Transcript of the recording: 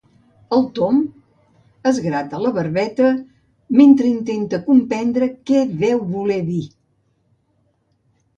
El Tom es grata la barbeta mentre intenta comprendre què deu voler dir.